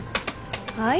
はい？